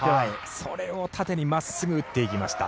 それを縦に真っすぐ打っていきました。